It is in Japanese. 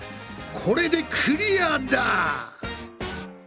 これでクリアだ！